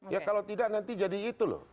ya kalau tidak nanti jadi itu loh